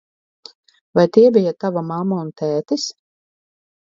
Vai tie bija tava mamma un tētis?